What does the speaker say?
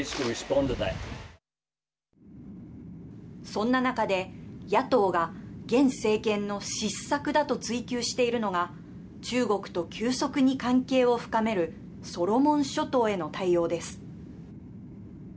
そんな中で野党が現政権の失策だと追及しているのが中国と急速に関係を深めるソロモン諸島への対応です。